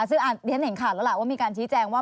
ซึ่งเรียนเห็นขาดแล้วล่ะว่ามีการชี้แจงว่า